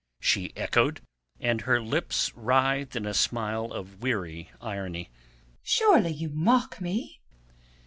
she echoed, and her lips writhed in a smile of weary irony. "Surely you mock me!"